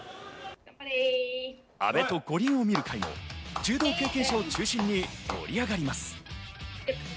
「阿部と五輪を見る会」も柔道経験者を中心に盛り上がります。